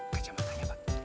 kacamata ya pak